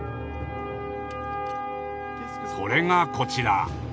それがこちら。